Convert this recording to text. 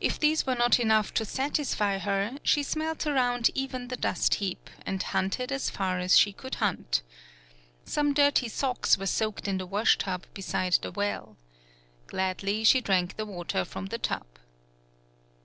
If these were not enough to satisfy her, she smelt around even the dust heap, and hunted as far as she could hunt. Some dirty socks were soaked in the wash tub beside the well. Gladly, she drank the water from the tub.